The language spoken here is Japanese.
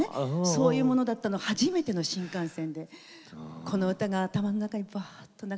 そういうものだったのに初めての新幹線でこの歌が頭の中にバーッと流れてきました。